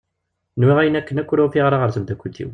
Nwiɣ ayen akken akk ur ufiɣ ara ɣer temddakelt-iw.